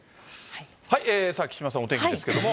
木島さん、お天気ですけれども。